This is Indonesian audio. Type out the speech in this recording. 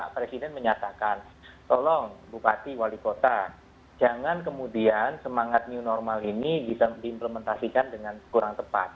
presiden menyatakan tolong bupati wali kota jangan kemudian semangat new normal ini bisa diimplementasikan dengan kurang tepat